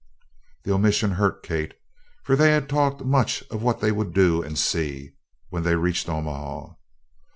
The omission hurt Kate, for they had talked much of what they would do and see when they reached Omaha.